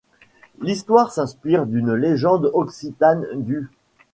L'histoire s'inspire d'une légende occitane du.